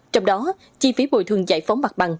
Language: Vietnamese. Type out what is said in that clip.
trong đó chi phí bồi thường giải phóng mặt bằng